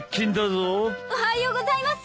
おはようございます。